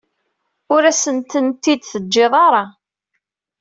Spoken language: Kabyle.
Ur asent-tent-id-teǧǧiḍ ara.